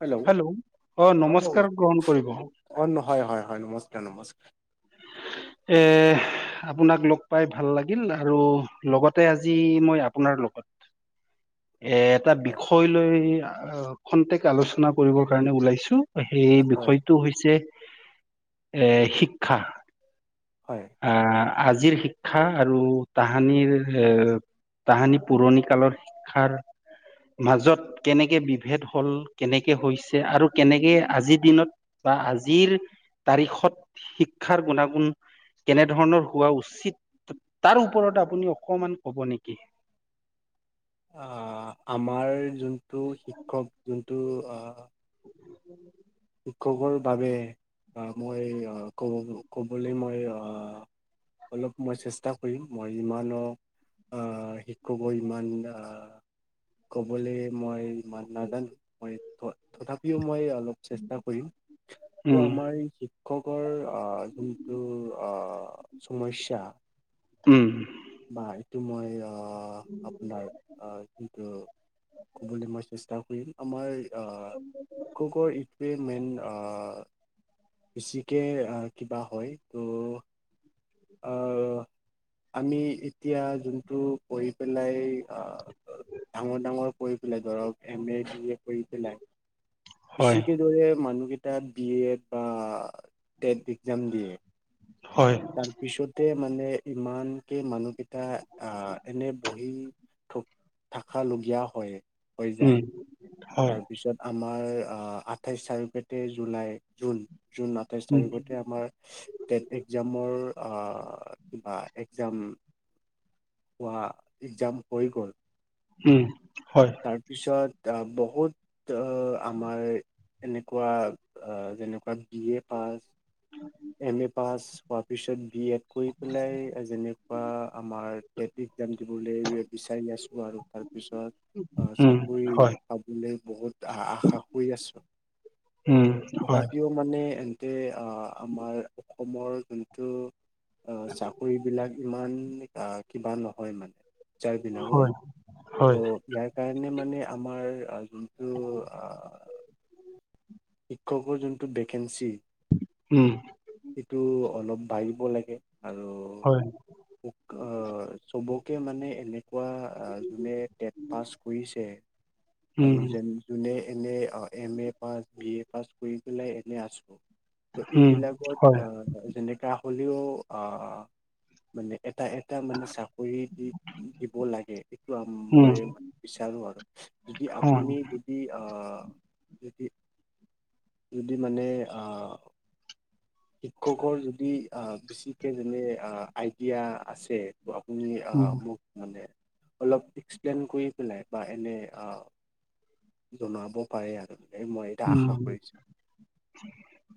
Hello, অ অ' নমস্কাৰ গ্ৰহণ কৰিব অ' হয়, হয়, হয়, নমস্কাৰ, নমস্কাৰ। এহ আপোনাক লগ পাই ভাল লাগিল আৰু লগতে আজি মই আপোনাৰ লগত [unintelligible] এ এটা হয় বিষয় লৈ খন্তেক আলোচনা কৰিবৰ কাৰণে ওলাইছো। সেই হয় বিষয়টো হৈছে এ শিক্ষা। হয় আহ, আজিৰ শিক্ষা। শিক্ষা আৰু তাহানিৰ এ তাহানি পুৰণি কালৰ শিক্ষাৰ মাজত কেনেকে বিভেদ হল, কেনেকে হৈছে, আৰু কেনেকে আজিৰ দিনত বা আজিৰ তাৰিখত শিক্ষাৰ গুণাগুণ কেনে ধৰণৰ হোৱা উচিত তাৰ ওপৰত আপুনি অকমান ক'ব নেকি? [unintelligible] আহ, আমাৰ যোনটো শিক্ষক যোনটো আহ শিক্ষকৰ বাবে, মই ক'ব ক'বলৈ মই অলপ মই চেষ্টা কৰিম, মই ইমানো আহ, শিক্ষক ইমান আহ ক'বলৈ মই ইমান নাজানো ম তথাপিও মই অলপ চেষ্টা কৰিম ত' উম আমাৰ শিক্ষকৰ আহ যোনটো আহ সমস্যা। উম। বা এইটো মই আপোনাৰ যোনটো ক'বলৈ মই চেষ্টা কৰিম আমাৰ [unintelligible] মেইন অ' বেছিকে আহ কিবা হয় ত' আহ। আমি এতিয়া যোনটো কৰি পেলাই আহ ডাঙৰ ডাঙৰ কৰি। ধৰক এম এ বিএ কৰি পেলাই হয় কৃষিক দৰে মানুহ তাত বি এড বা টেট এক্সাম দিয়ে। হয় তাৰপিছতে, মানে ইমান মানুহকেইটা আহ এনে বহি থ থকা লগীয়া হয়। হৈ যায়, উম হয় তাৰপিছত আমাৰ আঠাইশ চাৰিপেতে জুলাই, জুন জুন আঠাইছ উম তাৰিখতে আমাৰ টেট এক্সাম কিবা এক্সাম হোৱা এক্সাম হৈ গ'ল। উম। হয় তাৰপিছত, আহ বহুত আমাৰ এনেকুৱা, যেনেকুৱা B A pass M A pass কৰা পাছত বি এড কৰি পেলাই যেনেকুৱা আমাৰ টেট এক্সাম দিবলৈ বিচাৰি আছোঁ, আৰু আৰু তাৰপিছত অ' উম চাকৰি হয় পাবলৈ। বহুত আশা কৰি আছো। উম হয় তথাপিও মানে এনেতে আহ আমাৰ অসমৰ যোনটো চাকৰিবিলাক ইমান আহ কিবা নহয় মানে। [unintelligible] বিলাবৰ হয় হয় ত' ইয়াৰ কাৰণে মানে আমাৰ আহ যোনটো [unintelligible] আহ শিক্ষকৰ যোনটো ভেকেঞ্চি, উম সেইটো অলপ বাঢ়িব লাগে হয় আৰু চবকে মানে এনে তেনেকুৱা যোনে টেট পাছ কৰিছে উম আৰু যোন এনে M A pass B A pass কৰি পেলাই এনে আছো। ত, উম এইবিলাকত হয় আহ যেনেকা হ'লেও আহ মানে এটা এটা মানে চাকৰি দি দিব লাগে। এইটো উম মই বিচাৰো আৰু যদি হয় আপুনি যদি অ' অহ, যদি, যদি মানে শিক্ষকৰ যদি আহ বেছিকে যেনে আইডিয়া আছে। ত, আপুনি আহ উম মোক মানে। অলপ এক্সপ্লেইন কৰি পেলাই বা এনে জনাব পাৰে আৰু মানে মই এতিয়া আশা উম, কৰিছো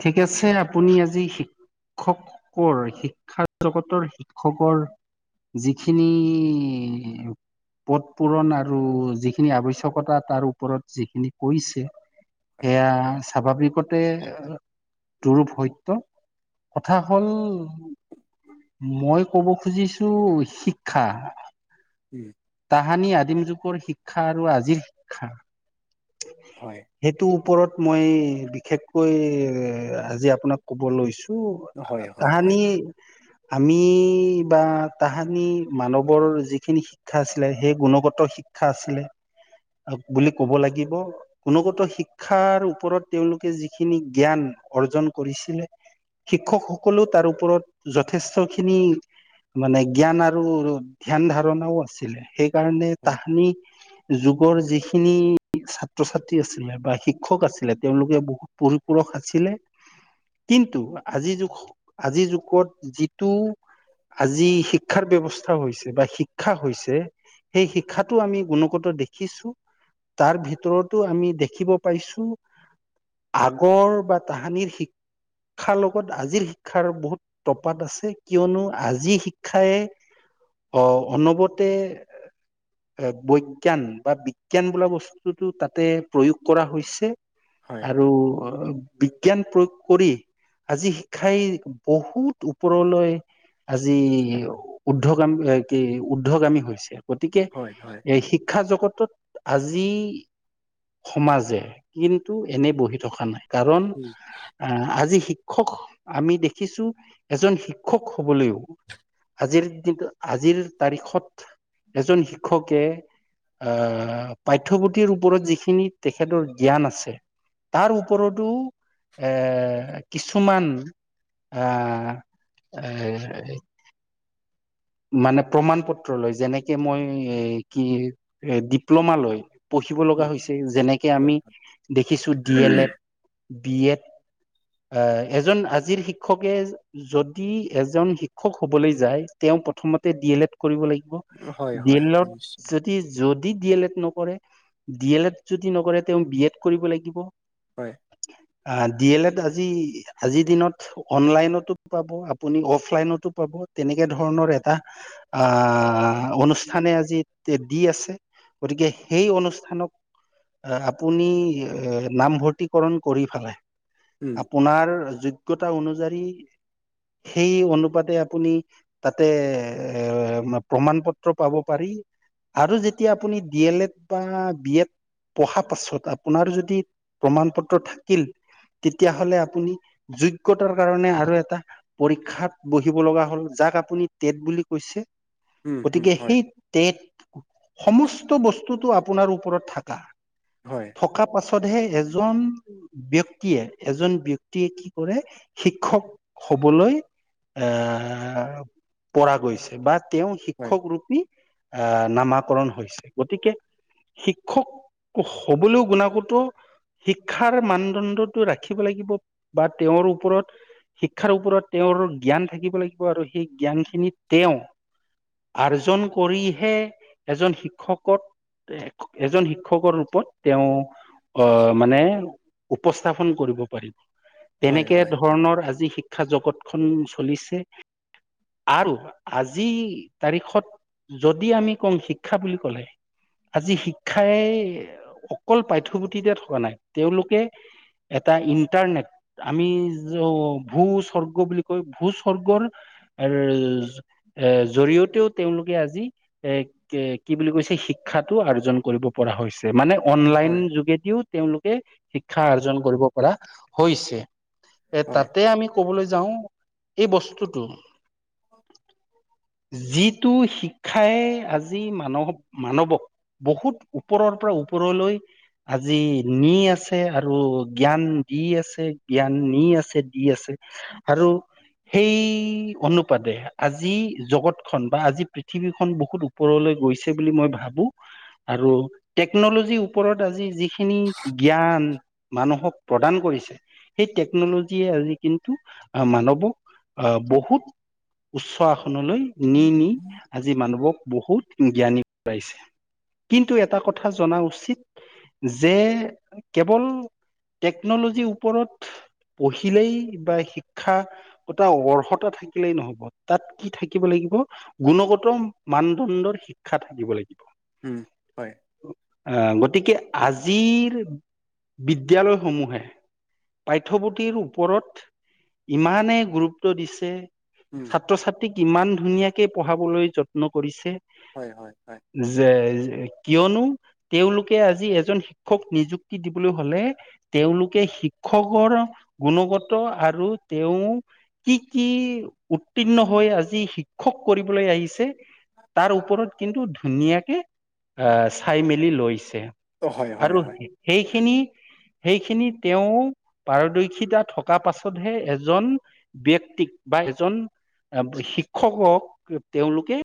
ঠিক আছে আপুনি আজি শিক্ষা শিক্ষকৰ শিক্ষা জগতৰ শিক্ষকৰ যিখিনি পথ পূৰণ আৰু যিখিনি আৱশ্যকতা তাৰ ওপৰত যিখিনি কৈছে। হয় সেয়া স্বাভাৱিকতে দোৰূপ সত্য। কথা হ'ল মই ক'ব খুজিছোঁ শিক্ষা। উম। তাহানিৰ আদিম যুগৰ শিক্ষা আৰু আজিৰ শিক্ষা। হয় ওপৰত মই বিশেষকৈ আজি আপোনাক ক'ব লৈছোঁ। তো হয় হয় হয় তাহানি আমি বা তাহানি মানৱৰ যিখিনি শিক্ষা আছিলে সেই গুণগত শিক্ষ শিক্ষা আছিলে বুলি ক'ব লাগিব, গুণগত শিক্ষা শিক্ষাৰ ওপৰত তেওঁলোকে যিখিনি জ্ঞান অৰ্জন কৰিছিলে। শিক্ষকসকলেও তাৰ ওপৰত যথেষ্ট খিনি। মানে জ্ঞান আৰু ধ্যান ধাৰণাও আছিলে, সেই কাৰণে তাহানি যুগৰ যিখিনি ছাত্ৰ ছাত্ৰী আছিলে বা শিক্ষক আছিলে, তেওঁলোকে বহুত পৰিপৰষ আছিলে। কিন্তু আজিৰ যু, আজিৰ যুগত যিটো আজি শিক্ষাৰ ব্যৱস্থা হৈছে বা শিক্ষা হৈছে। সেই শিক্ষাতো আমি গুণগত দেখিছোঁ, তাৰ ভিতৰতো আমি দেখিব পাইছোঁ, আগৰ বা তাহানিৰ শিক্ষা শিক্ষাৰ লগত আজিৰ শিক্ষাৰ বহুত তপাত আছে, কিয়নো আজিৰ শিক্ষায়ে অহ, অনবৰতে বৈজ্ঞান বা বিজ্ঞান বোলা বস্তুটো তাতে প্ৰয়োগ কৰা হৈছে হয় আৰু বিজ্ঞান প্ৰয়োগ কৰি আজি শিক্ষাই বহুত ওপৰলৈ আজি উদ্ধগামী, এ কি উদ্ধগামী হৈছে। গতিকে হয় হয় হয় এই শিক্ষা জগতত আজি সমাজে কিন্তু এনে বহি থকা নাই, কাৰণ অহ আজি শিক্ষা শিক্ষক আমি দেখিছোঁ, এজন শিক্ষক হবলৈও আজিৰ দিন, আজিৰ তাৰিখত এজন শিক্ষকে অহ পাঠ্যপুথিৰ ওপৰত যিখিনি তেখেতৰ জ্ঞান আছে। তাৰ ওপৰতো এ কিছুমান আ, এই মানে প্ৰমাণ পত্ৰ লৈ, যেনেকে মই কি ডিপ্ল'মা লৈ। পঢ়িব লগা উম হৈছে যেনেকে আমি দেখিছোঁ D L Ed, B Ed. অহ এজন আজিৰ শিক্ষকে যদি এজন শিক্ষক হ'বলৈ যায়। তেওঁ প্ৰথমতে ডি এল এড কৰিব লাগিব। উম হয় হয় ডি হয় এল হয় এডত নিশ্চয় যদি যদি ডি এল এড নকৰে, ডি এল এড যদি নকৰে তেওঁ বি এড কৰিব লাগিব। হয়। ডি এল এড আজি, আজিৰ দিনত অনলাইনতো পাব আপুনি অফলাইনতো পাব। তেনেকে একে ধৰণৰ এটা অহ, অনুষ্ঠানে আজি দি আছে। গতিকে সেই অনুষ্ঠানক আপুনি নামভৰ্তিকৰণ কৰি ফেলে উম আপোনাৰ যোগ্যত যোগ্যতা অনুযায়ী, সেই অনুপাতে আপুনি তাতে এ প্ৰমাণ পত্ৰ পাব পাৰি। আৰু যেতিয়া আপুনি ড এল এড বা বি এড পঢ়া পাছত আপোনাৰ যদি প্ৰমাণ পত্ৰ থাকিল। তেতিয়া হ'লে আপুনি যোগ্যতাৰ কাৰণে আৰু এটা পৰীক্ষাত বহিব লগা হ'ল, যাক আপু আপুনি টেট বুলি কৈছে, উম উম গতিকে হয় সেই টেট সমস্ত বস্তুতটো আপোনাৰ ওপৰত থাকা। হয় থকা পাছত [unintelligible] এজন ব্যক্তিয়ে এজন ব্যক্তিয়ে কি কৰে, শিক্ষক শু'বলৈ আ, পৰা গৈছে বা, তেওঁ হয় শিক্ষক ৰূপী আ, নামাকৰণ হৈছে গতিকে শিক্ষক হ'বলৈও গুণাগতো শিক্ষাৰ মানদণ্ডটো ৰাখিব লাগিব, বা তেওঁৰ ওপৰত শিক্ষাৰ ওপৰত তেওঁ [unintelligible] জ্ঞান থাকিব লাগিব আৰু সেই জ্ঞান খিনি তেওঁ আৰ্জন কৰিহে এজন শিক্ষক'ক এজন শিক্ষকৰ ৰূপত তেওঁ অহ মানে, উপস্থাপন কৰিব পাৰিব। হয় তেনেকে হয় হয় ধৰণৰ আজি শিক্ষা জগতখন চলিছে। আৰু আজি তাৰিখত যদি আমি কওঁ, শিক্ষা বুলি ক'লে আজি শিক্ষাই অকল পাঠ্যপুথিতে থকা নাই, তেওঁলোকে এটা ইন্টাৰনেট, আমি য'ত ভূ-স্বৰ্গ বুলি কয় ভূ-স্বৰ্গৰ আৰু এৰ জৰিয়তেও তেওঁলোকে আজি এ কি বুলি কৈছে? শিক্ষাটো আৰ্জন কৰিব পৰা হৈছে। মানে উম অনলাইন হয় যোগেদিও তেওঁলোকে শিক্ষা অৰ্জন কৰিব পৰা হৈছে। এ হয় তাতে আমি ক'বলৈ যাওঁ এই বস্তুটো যিটো শিক্ষাই আজি মানৱ মানৱক বহুত ওপৰৰ পৰা ওপৰলৈ আজি নি আছে আৰু জ্ঞান দি আছে জ্ঞান নি আছে দি আছে আৰু সেই অনুপাদে আজি জগত খন বা আজি পৃথিৱীখনন বহুত ওপৰলৈ গৈছে বুলি মই ভাবোঁ আৰু টেকনলজিৰ ওৰত আজি যিখিনি জ্ঞান ম মানুহক প্ৰদান কৰিছে, সেই টেকন'লজিয়ে আজি কিন্তু মানবক বহ বুত উচ্চ আসনলৈ নি নি আজি মানৱক বহুত জ্ঞানী বনাইছে, কিন্তু এটা কথা জনা উচিত যে কেৱল টেকনলজিৰ ওপৰত পঢ়িলেই, বা শিক্ষা এটা অৰ্হত থাকিলেই নহব তাত কি থাকিব লাগিব গুণগত মানদণ্ডৰ শিক্ষা থাকিব লাগিব উম হয় আ, গতিকে আজিৰ বিদ্যালয়সমূহে পাঠ্যপুথিৰ ওপৰত ইমানেই গুৰুত্ব দিছে যে উম ছাত্ৰ ছাত্ৰীক ইমান ধুনীয়াকে পঢ়াবলৈ যত্ন কৰিছে। হয় হয় হয় যে কিয়নো তেওঁলোকে আজি এজন শিক্ষক নিযুক্তি দিবলৈ হলে তেওঁলোকে শিক্ষকৰ গুণগত আৰু তেওঁ কি কি উত্তীৰ্ণ হৈ আজি শিক্ষক কৰিবলৈ আহিছে তাৰ ওপৰত কিন্তু ধুনীয়াকে আ, চাই মেলি লৈছে। অ হয় আৰু হয় হয় সেইখিনি সেইখিনি তেওঁ পাৰদৰ্শিতা থকা পাছতহে এজন ব্যক্তি তিক বা এজন আ, শিক্ষকক তেওঁলোকে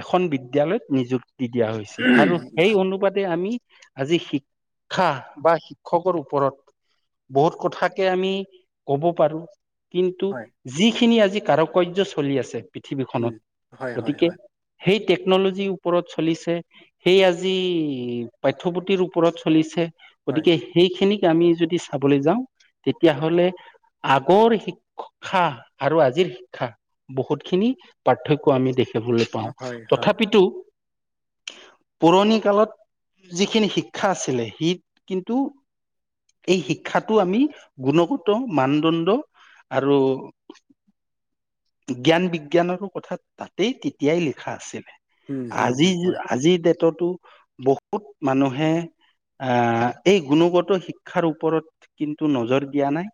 এখন বিদ্যয়ালয়ত নিযুক্তি দিয়া হৈছে আৰু সেই অনুপাতে আমি আজি শিক্ষা বা শিক্ষকৰ ওপৰত বহুত কথাকে আমি কব পাৰো। কিন্তু হয় যিখিনি আজি কাৰকাৰ্য চলি আছে পৃথিৱীখনত উম, হয়, হয়, গতিকে হয়, সেই টেকন'লজি ওপৰত চলিছে, সেই আজি পাঠ্যপুথিৰ ওপৰত চলিছে। হয়, গতিকে সেইখিনিক আমি যদি চাবলৈ যাওঁ তেতিয়া হ'লে আগৰ শিক্ষক শিক্ষা আৰু আজিৰ শিক্ষা বহুতখিনি পাৰ্থক্য আমি দেখি বলৈ পাওঁ হয়, হয়, তথাপিতো পুৰণি কালত যিখিনি শিক্ষা আছিলে সি কিন্তু এই শিক্ষাটো আমি গুণগত মানদণ্ড আৰু জ্ঞান বিজ্ঞানৰো কথা তাতেই তেতিয়াই লিখা আছিলে। উম, হুম, আজি হুম, হয়। আজিৰ ডেটতো বহুত মানুহে আ এই গুণগত শিক্ষাৰ ওপৰত কিন্তু নজৰ দিয়া নাই।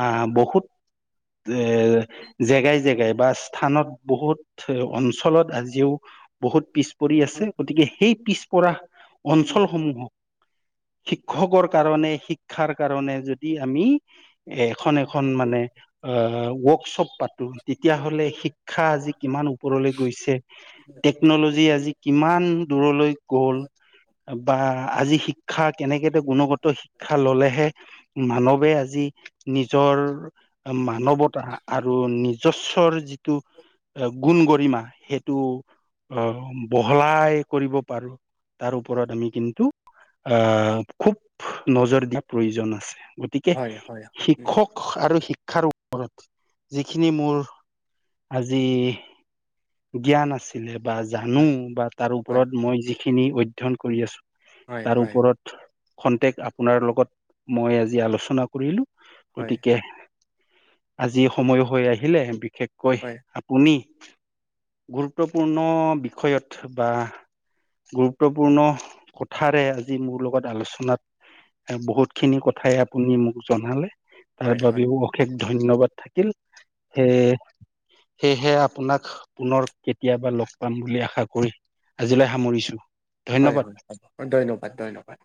আ বহুত এ জেগাই জেগাই বা স্থানত বহুত অঞ্চলত আজিও বহুত পিছ পৰি আছে গতিকে সেই পিছপৰা অঞ্চলসমূহক শিক্ষকৰ কাৰণে শিক্ষাৰ কাৰনে যদি আমি এ এখন এখন মানে আ, ৱৰ্কশ্বপ পাতো তেতিয়া হ'লে শিক্ষা আজি কিমান ওপৰলৈ গৈছে টেকনলজি আজি কিমান দূৰলৈ গল। বা আজি শিক্ষা কেনেকে গুণগত শিক্ষা ললেহে মানৱে আজি নিজৰ মানৱতা আৰু নিজস্বৰ যিটো এ গুণ গৰিমা সেইটো অ'বহলাই কৰিব পাৰো তাৰ ওপৰত আমি কিন্তু আ খুব নজৰ দিয়াৰ প্ৰয়োজন আছে। গতিকে হয়, হয়, হয়, শিক্ষক নিশ্চয়, আৰু শিক ওৰত যিখিনি মোৰ আজি জ্ঞান আছিলে বা জানো হয়, বা তাৰ হয়, ওপৰত মই যিখিনি অধ্যয়ন কৰি আছোঁ হয়, তাৰ হয়, ওপৰত খন্তেক আপোনাৰ লগত মই আজি আলোচনা কৰিলো হয়, গতিকে আজি সময়ো হৈ আহিলে বিশেষকৈ হয়, আপুনি গুৰুত্বপূৰ্ণ বিষয়ত বা গুৰুত্বপূৰ্ণ কথাৰে আজি মোৰ লগত আলোচনাত বহুত খিনি কথাই আপুনি মোক জনালে। তাৰ হয়, বাবেও হয়, অশেষ ধন্যবাদ থাকিল। সে সেয়েহে আপোনাক পুনৰ কেতিয়াবা লগ পাম বুলি আশা কৰি। আজিলৈ সামৰিছো। হয়, হয় ধন্যবাদ, ধন্যবাদ।